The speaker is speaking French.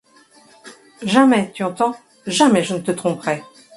Jamais, tu entends ! Jamais je ne te tromperai.